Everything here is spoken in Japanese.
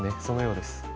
そのようです。